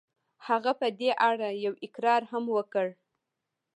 هغه په دې اړه يو اقرار هم وکړ.